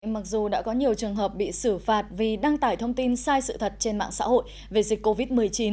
mặc dù đã có nhiều trường hợp bị xử phạt vì đăng tải thông tin sai sự thật trên mạng xã hội về dịch covid một mươi chín